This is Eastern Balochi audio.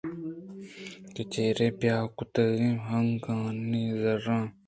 کہ چرے بہا کُتگیں ہئیکانی زرّاں